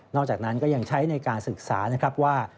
จากนั้นก็ยังใช้ในการศึกษานะครับว่า